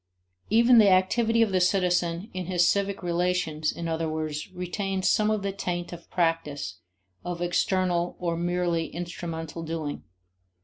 Even the activity of the citizen in his civic relations, in other words, retains some of the taint of practice, of external or merely instrumental doing.